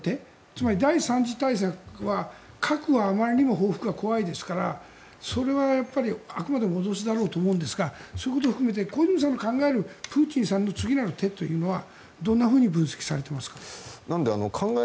つまり第３次大戦は、核はあまりにも報復が怖いですからそれはあくまでも脅しだろうと思うんですがそういうことを含めて小泉さんが考えるプーチンさんの次の手はどんなふうに分析されていますか？